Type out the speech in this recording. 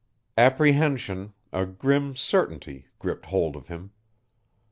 Apprehension a grim certainty gripped hold of him.